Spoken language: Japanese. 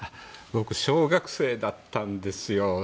僕小学生だったんですよ。